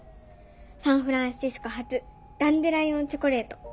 サンフランシスコ発「ダンデライオン・チョコレート」。